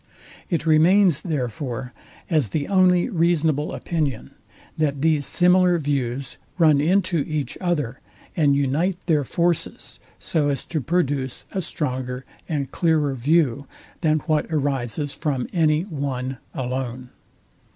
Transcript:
It remains, therefore, as the only reasonable opinion, that these similar views run into each other, and unite their forces; so as to produce a stronger and clearer view, than what arises from any one alone.